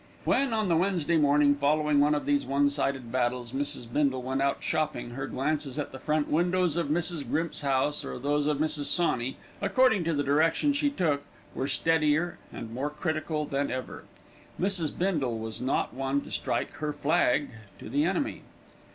When, on the Wednesday morning following one of these one sided battles, Mrs. Bindle went out shopping, her glances at the front windows of Mrs. Grimps's house, or those of Mrs. Sawney, according to the direction she took, were steadier and more critical than ever. Mrs. Bindle was not one to strike her flag to the enemy.